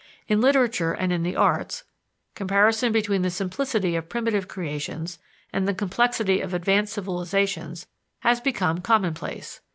In literature and in the arts comparison between the simplicity of primitive creations and the complexity of advanced civilizations has become commonplace.